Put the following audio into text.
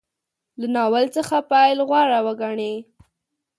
له ناول څخه پیل غوره وګڼي.